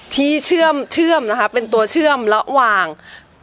ที่เชื่อมนะคะเป็นตัวเชื่อมระหว่าง